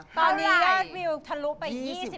ตอนนี้ยอดวิวทะลุไป๒๕